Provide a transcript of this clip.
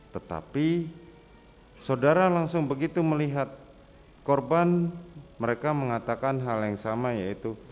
tetapi saudara langsung begitu melihat korban mereka mengatakan hal yang sama yaitu